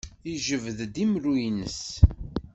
Yejbed-d imru-nnes.